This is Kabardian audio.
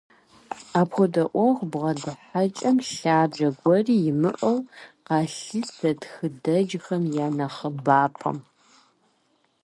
Апхуэдэ Ӏуэху бгъэдыхьэкӀэм лъабжьэ гуэри имыӀэу къалъытэ тхыдэджхэм я нэхъыбапӀэм.